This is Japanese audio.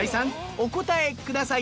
お答えください。